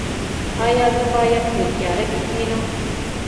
ایا زه باید په تیاره کې کینم؟